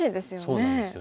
そうなんですよ。